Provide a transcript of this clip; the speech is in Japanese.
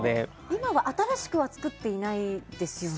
今は、新しくは作っていないですよね？